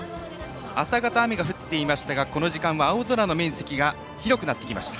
朝方、雨が降っていましたがこの時間は青空の面積が広くなってきました。